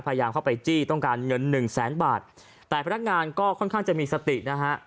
พยายามเข้าไปจี้ต้องการเงินหนึ่งแสนบาทแต่พนักงานก็ค่อนข้างจะมีสตินะฮะ